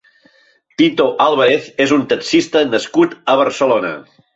Tito Álvarez és un taxista nascut a Barcelona.